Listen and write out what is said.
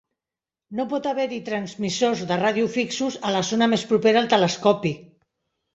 No pot haver-hi transmissors de ràdio fixos a la zona més propera al telescopi.